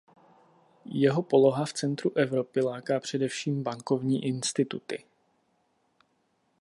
Jeho poloha v centru Evropy láká především bankovní instituty.